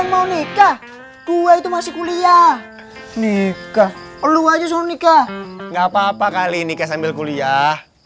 yang mau nikah gue itu masih kuliah nikah lu aja selalu nikah nggak papa kali nikah sambil kuliah